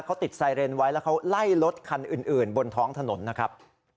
เขาติดไซเรนไว้แล้วเขาไล่รถคันอื่นบนท้องถนนนะครับ